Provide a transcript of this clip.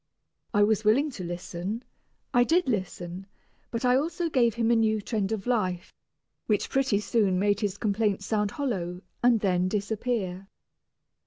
I was willing to listen, I did listen, but I also gave him a new trend of life, which pretty soon made his complaints sound hollow and then disappear.